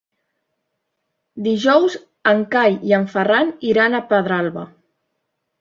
Dijous en Cai i en Ferran iran a Pedralba.